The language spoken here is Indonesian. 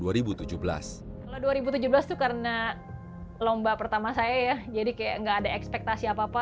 kalau dua ribu tujuh belas itu karena lomba pertama saya ya jadi kayak nggak ada ekspektasi apa apa